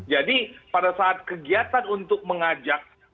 jadi pada saat kegiatan untuk mengajak